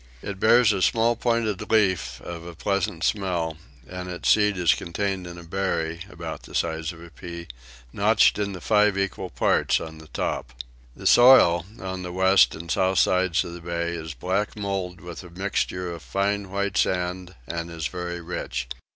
It bears a small pointed leaf of a pleasant smell, and its seed is contained in a berry, about the size of a pea, notched into five equal parts on the top. The soil on the west and south sides of the bay is black mould with a mixture of fine white sand and is very rich.